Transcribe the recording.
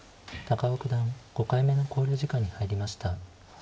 高尾九段５回目の考慮時間に入りました。